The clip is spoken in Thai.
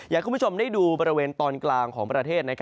ให้คุณผู้ชมได้ดูบริเวณตอนกลางของประเทศ